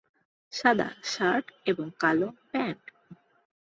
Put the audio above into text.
সাদা শার্ট এবং কালো প্যান্ট।